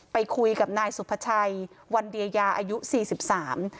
ไปคุยกับนายสุภาชัยวันเดียยาอายุสี่สิบสาม